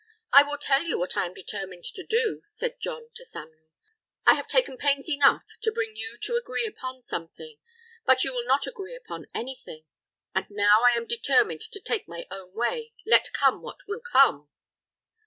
"'I will tell you what I am determined to do,' said John to Samuel. 'I have taken pains enough to bring you to agree upon something; but you will not agree upon anything. And now I am determined to take my own way, let come what will come!